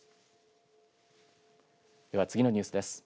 では、次のニュースです。